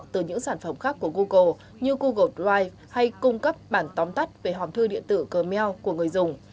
từ những sản phẩm khác của google như google drive hay cung cấp bản tóm tắt về hòm thư điện tử gmail của người dùng